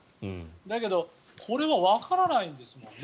だけどこれはわからないですもんね。